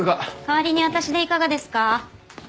代わりに私でいかがですか？